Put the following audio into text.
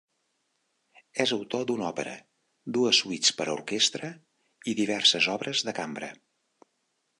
És autor d'una òpera, dues suites per a orquestra i diverses obres de cambra.